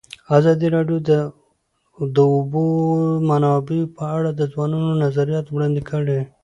ازادي راډیو د د اوبو منابع په اړه د ځوانانو نظریات وړاندې کړي.